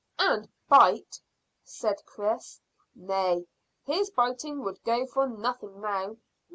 "And bite," said Chris. "Nay; his biting would go for nothing now."